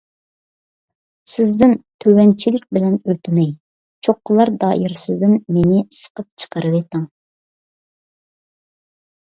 سىزدىن تۆۋەنچىلىك بىلەن ئۆتۈنەي، چوققىلار دائىرىسىدىن مېنى سىقىپ چىقىرىۋېتىڭ.